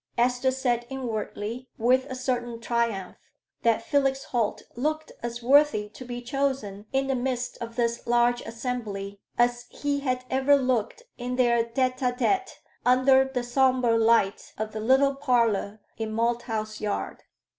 Esther said inwardly, with a certain triumph, that Felix Holt looked as worthy to be chosen in the midst of this large assembly, as he had ever looked in their tête à tête under the sombre light of the little parlor in Malthouse Yard.